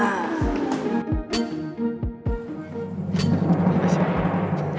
gak ada apa apa